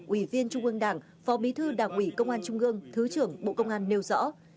ủy viên trung ương đảng phó bí thư đảng ủy công an trung ương thứ trưởng bộ công an nêu rõ